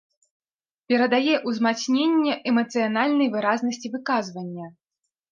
Перадае ўзмацненне эмацыянальнай выразнасці выказвання.